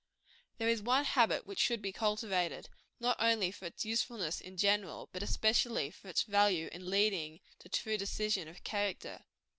There is one habit which should be cultivated, not only for its usefulness in general, but especially for its value in leading to true decision of character.